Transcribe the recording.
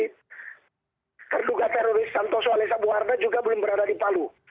terduga teroris santoso alisa buarda juga belum berada di palu